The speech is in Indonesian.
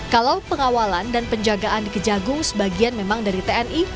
kalau pengawalan dan penjagaan di kejagung sebagian memang dari tni